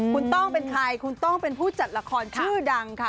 คุณต้องเป็นใครคุณต้องเป็นผู้จัดละครชื่อดังค่ะ